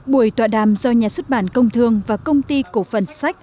buổi tọa đàm do nhà xuất bản công thương và công ty cổ phần sách